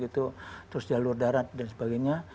terus jalur darat dan sebagainya